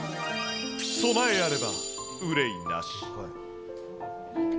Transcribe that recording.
備えあれば憂いなし。